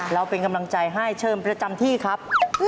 เราเป็นกำลังใจให้เชิญประจำที่ครับ